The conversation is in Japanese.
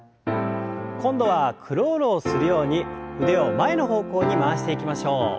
今度はクロールをするように腕を前の方向に回していきましょう。